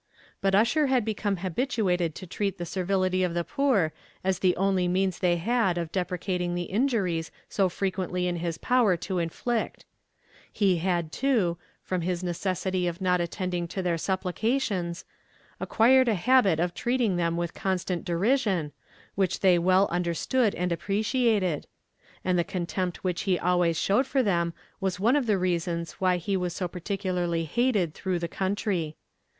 But Ussher had become habituated to treat the servility of the poor as the only means they had of deprecating the injuries so frequently in his power to inflict; he had, too, from his necessity of not attending to their supplications, acquired a habit of treating them with constant derision, which they well understood and appreciated; and the contempt which he always showed for them was one of the reasons why he was so particularly hated through the country.